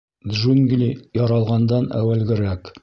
— Джунгли яралғандан әүәлгерәк.